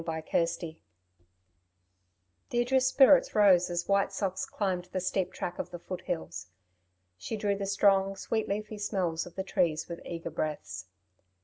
CHAPTER XXX Deirdre's spirits rose as White Socks climbed the steep track of the foothills. She drew the strong, sweet leafy smells of the trees with eager breaths.